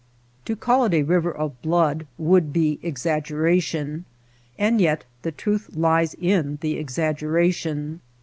To call it a river of blood would be exaggera tion, and yet the truth lies in the exaggeration.